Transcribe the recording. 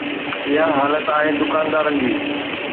اها حالت آهي دڪاندارن جي.